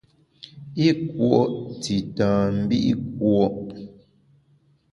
I kùo’ tita mbi’ kùo’.